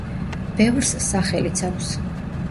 ბევრს სახელიც აქვს.